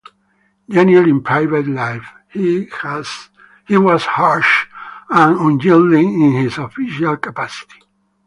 Genial in private life, he was harsh and unyielding in his official capacity.